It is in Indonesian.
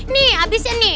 nih abis ini